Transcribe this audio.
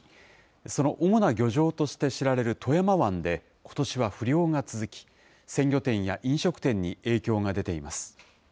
その主な漁場として知られる富山湾で、ことしは不漁が続き、鮮魚店や飲食店に影響が出ています。